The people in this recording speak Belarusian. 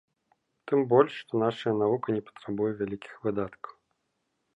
Тым больш, што нашая навука не патрабуе вялікіх выдаткаў.